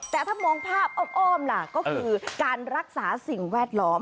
แต่ถ้ามองภาพอ้อมล่ะก็คือการรักษาสิ่งแวดล้อม